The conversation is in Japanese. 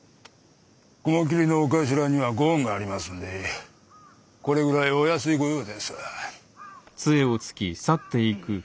雲霧のお頭にはご恩がありますんでこれぐらいお安い御用です。